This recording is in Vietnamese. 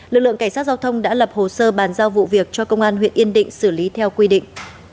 lực lượng cảnh sát giao thông đã lập hồ sơ bàn giao vụ việc cho công an huyện yên định xử lý theo quy định